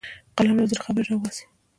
قلم له زړه خبرې راوباسي